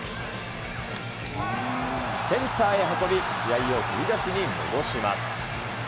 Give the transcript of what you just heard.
センターへ運び、試合を振り出しに戻します。